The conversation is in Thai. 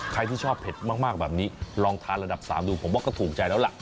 ใครที่ชอบเผ็ดมากแบบนี้ลองทานระดับ๓ดูผมว่าก็ถูกใจแล้วล่ะ